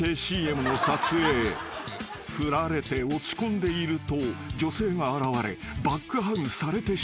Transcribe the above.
［振られて落ち込んでいると女性が現れバックハグされてしまう］